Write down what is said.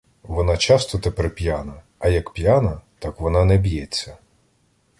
Вона часто тепер п'яна, а як п'яна, так вона не б'ється.